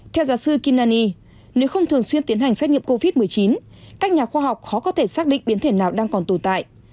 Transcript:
theo giáo sư kina ni nếu không thường xuyên tiến hành xét nghiệm covid một mươi chín các nhà khoa học khó có thể xác định biến thể nào đang còn tồn tại